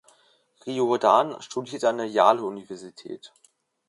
Riordan studierte an der Yale University.